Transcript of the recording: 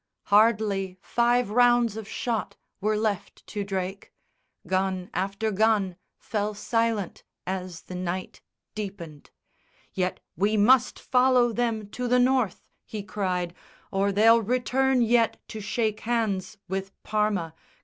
Hardly five rounds of shot were left to Drake! Gun after gun fell silent, as the night Deepened "Yet we must follow them to the North," He cried, "or they'll return yet to shake hands With Parma!